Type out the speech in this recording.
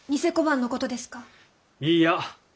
いいや。